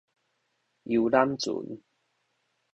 遊覽船